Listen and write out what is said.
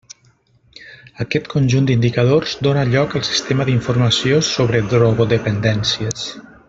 Aquest conjunt d'indicadors dóna lloc al sistema d'informació sobre drogodependències.